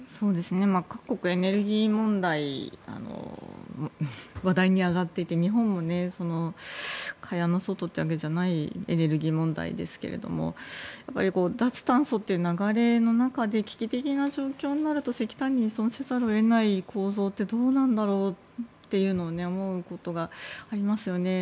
各国、エネルギー問題話題に上がっていて日本も蚊帳の外というわけじゃないエネルギー問題ですが脱炭素という流れの中で危機的な状況になると石炭に依存せざるを得ない構造ってどうなんだろうと思うことがありますよね。